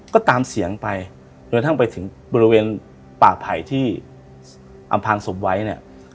ก็ตามเสียงไปจนกระทั่งไปถึงบริเวณป่าไผ่ที่อำพางศพไว้เนี่ย